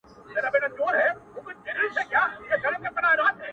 د مسافر لالي د پاره؛